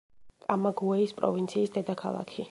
კამაგუეის პროვინციის დედაქალაქი.